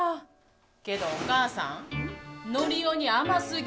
けど、お母さんノリオに甘すぎ。